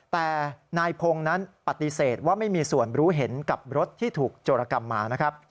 แต่นายพงศ์นั้นปฏิเสธว่าไม่มีส่วนรู้เห็นกับรถที่ถูกโจรกรรมมานะครับ